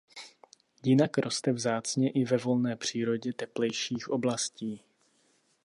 Jinak roste vzácně i ve volné přírodě teplejších oblastí.